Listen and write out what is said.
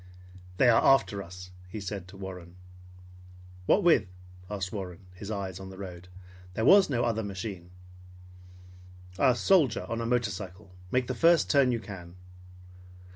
"They are after us!" he said to Warren. "What with?" asked Warren, his eyes on the road. "There was no other machine." "A soldier on a motorcycle. Make the first turn you can."